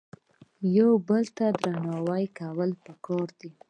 د یو بل درناوی کول په کار دي